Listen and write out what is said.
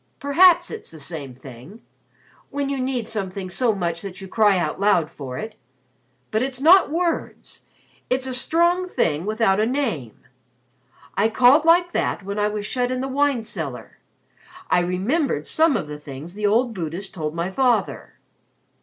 "Perhaps it's the same thing when you need something so much that you cry out loud for it. But it's not words, it's a strong thing without a name. I called like that when I was shut in the wine cellar. I remembered some of the things the old Buddhist told my father."